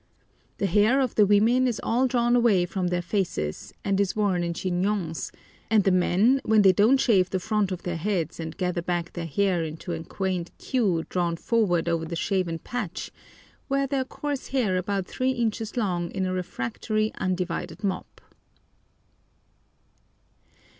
The hair of the women is all drawn away from their faces, and is worn in chignons, and the men, when they don't shave the front of their heads and gather their back hair into a quaint queue drawn forward over the shaven patch, wear their coarse hair about three inches long in a refractory undivided mop.